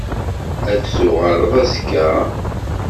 Ad d-tuɣaleḍ azekka?